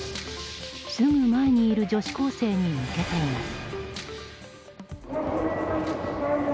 すぐ前にいる女子高生に向けています。